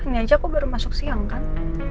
ini aja aku baru masuk siang kan